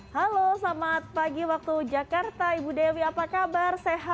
halo selamat pagi waktu jakarta ibu dewi apa kabar sehat